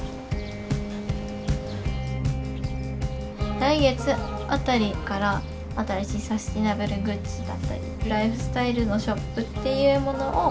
来月あたりから新しいサスティナブルグッズだったりライフスタイルのショップっていうものを。